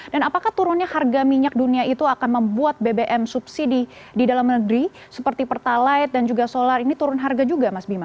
dan apakah turunnya harga minyak dunia itu akan membuat bbm subsidi di dalam negeri seperti pertalite dan juga solar ini turun harga juga mas bima